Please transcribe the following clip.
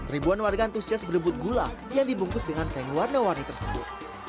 ribuan warga antusias berebut gula yang dibungkus dengan kain warna warni tersebut